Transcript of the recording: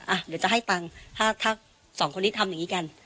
เดี๋ยวจะให้ตังค์ถ้าสองคนนี้ทำอย่างนี้กัน